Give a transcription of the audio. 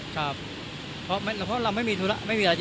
ก็ไม่เจอกันเลย